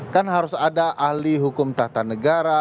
kan harus ada ahli hukum tata negara